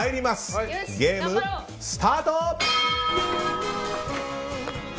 ゲームスタート！